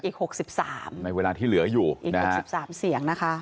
อีก๖๓ในเวลาที่เหลืออยู่อีก๖๓เสียงนะคะ